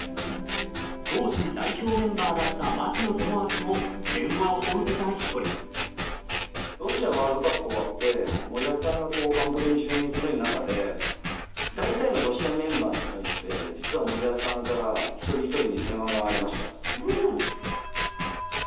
当時代表メンバーだった槙野智章も電話を受けた１人ロシアワールドカップ終わって森保さんが監督に就任するなかでだいたいのロシアメンバーに対して実は森保さんから１人１人に電話がありました。